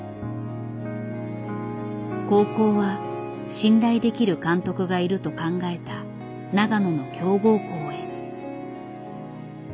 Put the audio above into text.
高校は信頼できる監督がいると考えた長野の強豪校へ。